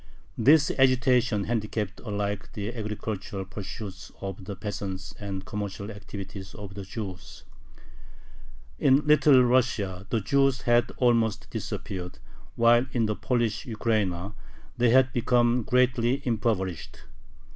This agitation handicapped alike the agricultural pursuits of the peasants and the commercial activities of the Jews. In Little Russia the Jews had almost disappeared, while in the Polish Ukraina they had become greatly impoverished.